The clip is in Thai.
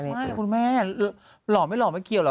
คุณแม่หล่อไม่หล่อไม่เกี่ยวหรอ